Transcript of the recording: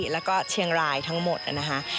แล้วก็เชียงรายทั้งหมดนะคะ